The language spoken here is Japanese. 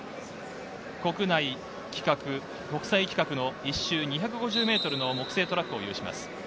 国内規格、国際規格の１周２５０ｍの木製トラックを有します。